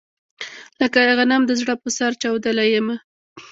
لکه غنم د زړه په سر چاودلی يمه